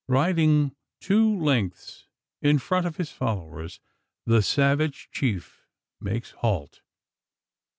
Riding two lengths in front of his followers, the savage chief makes halt.